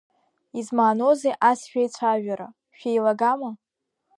Измааноузеи ас шәеицәажәара, шәеилагама?